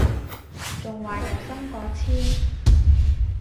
仲話日薪過千